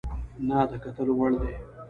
نه د کتلو وړ دى،